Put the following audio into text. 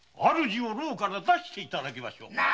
主を牢から出していただきましょう！